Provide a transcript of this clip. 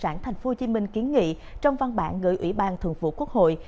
đồng sản thành phố hồ chí minh kiến nghị trong văn bản gửi ủy ban thượng vụ quốc hội